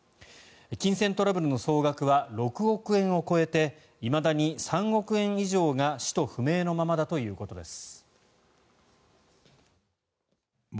金銭トラブルの総額は６億円を超えていまだに３億円以上が使途不明のままだということです。